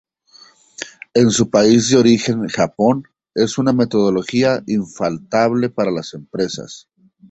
En su país de origen, Japón, es una metodología infaltable para las empresas.